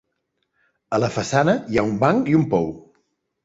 A la façana hi ha un banc i un pou.